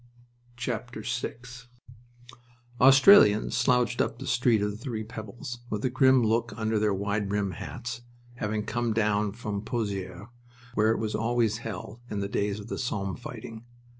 VI Australians slouched up the Street of the Three Pebbles with a grim look under their wide brimmed hats, having come down from Pozieres, where it was always hell in the days of the Somme fighting.